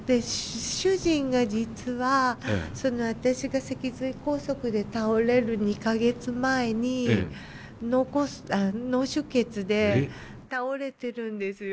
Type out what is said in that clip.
主人が実は私が脊髄梗塞で倒れる２か月前に脳出血で倒れてるんですよ。